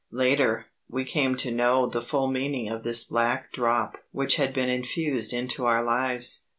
Later, we came to know the full meaning of this black drop which had been infused into our lives.